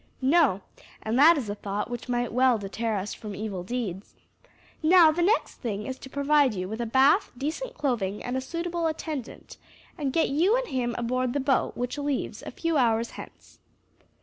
"No; and that is a thought which might well deter us from evil deeds. Now the next thing is to provide you with a bath, decent clothing, and suitable attendant, and get you and him aboard the boat, which leaves a few hours hence."